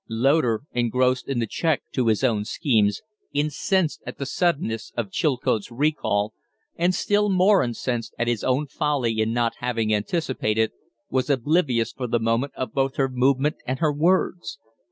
Loder, engrossed in the check to his own schemes, incensed at the suddenness of Chilcote's recall, and still more incensed at his own folly in not having anticipated it, was oblivious for the moment of both her movement and her words.